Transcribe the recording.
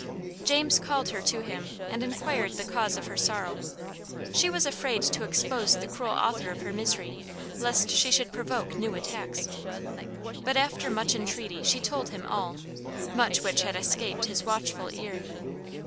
James called her to him, and inquired the cause of her sorrow. She was afraid to expose the cruel author of her misery, lest she should provoke new attacks. But after much entreaty, she told him all, much which had escaped his watchful ear.